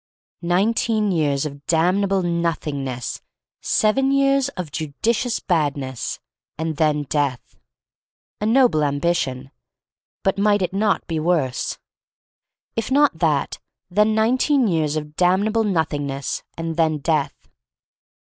Nineteen years of aamn able Nothingness, seven years of judi cious Badness — and then Death. A noble ambition! But might it not be worse? If not that, then nineteen years of damnable Nothingness, and then Death.